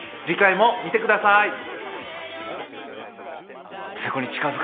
次回も見てください。